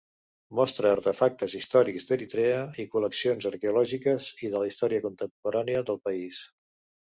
Mostra artefactes històrics d'Eritrea, i col·leccions arqueològiques i de la història contemporània del país.